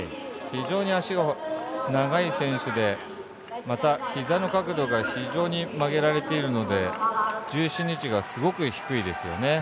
非常に足の長い選手でまた、ひざの角度が非常に曲げられているので重心の位置がすごく低いですね。